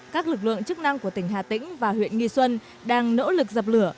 các lực lượng chức năng của tỉnh hà tĩnh và huyện nghi xuân đang nỗ lực dập lửa